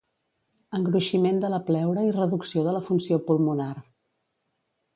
Engruiximent de la pleura i reducció de la funció pulmonar.